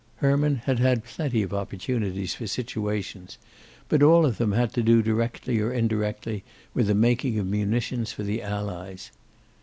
Herman had had plenty of opportunities for situations, but all of them had to do directly or indirectly with the making of munitions for the Allies.